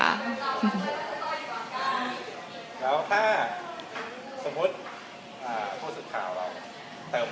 แล้วค่ะสมมุติผู้สุดข่าวเราเติมเติมถัง